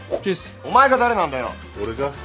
お前が誰なんだよ。俺か？